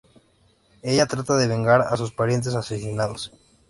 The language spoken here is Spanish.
Ella trata de vengar a sus parientes asesinados.